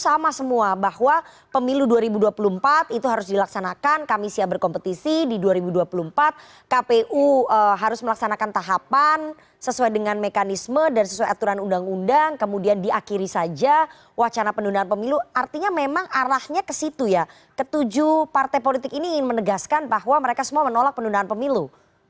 itu sama semua bahwa pemilu dua ribu dua puluh empat itu harus dilaksanakan kami siap berkompetisi di dua ribu dua puluh empat kpu harus melaksanakan tahapan sesuai dengan mekanisme dan sesuai aturan undang undang kemudian diakhiri saja wacana penundaan pemilu artinya memang arahnya ke situ ya ketujuh partai politik ini ingin menegaskan bahwa mereka semua menolak penundaan pemilu